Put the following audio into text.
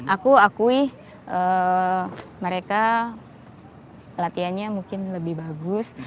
aku akui mereka latihannya mungkin lebih bagus